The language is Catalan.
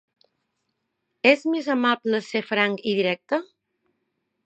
És més amable ser franc i directe?